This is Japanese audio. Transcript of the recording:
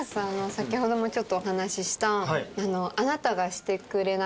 先ほどもちょっとお話しした。